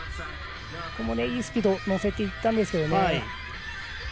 ここもいいスピード乗せていったんですけどね。